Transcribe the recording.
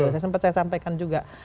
saya sempat saya sampaikan juga